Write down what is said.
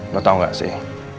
lo tau gak sih